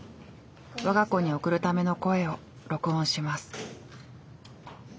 わが子に送るための声を録音します。